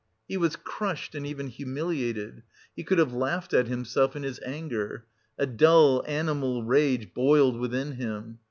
He was crushed and even humiliated. He could have laughed at himself in his anger.... A dull animal rage boiled within him.